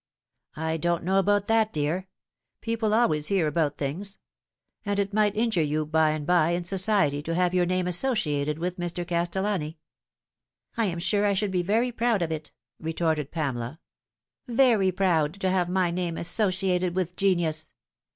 " I don't know about that, dear. People always hear about things ; and it might injure you by and by in society to have your name associated with Mr. Castellani." " I am sure I should be very proud of it," retorted Pamela ; very proud to have my name associated with genius."